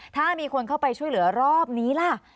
ถ้ามีคนเข้าไปช่วยเหลือรอบนี้ล่ะ